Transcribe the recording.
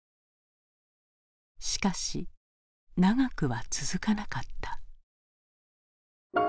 しかし長くは続かなかった。